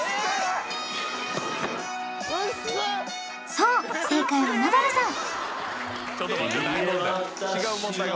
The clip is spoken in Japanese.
そう正解はナダルさん